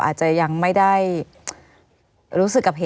ไม่มีครับไม่มีครับ